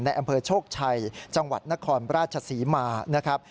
ในอำเภอโชคชัยจังหวัดนครราชศรีมา